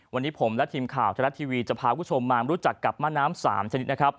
วันนี้ผมและทีมข่าวแทนละทีวีจะพาคุณคุณผู้ชมมารู้จักกับม้าน้ำ๓ชนิด